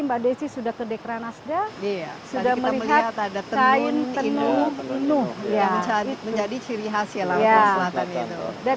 mbak desi sudah ke dekranasda dia sudah melihat ada kain tenuh tenuh ya cari menjadi ciri khas ya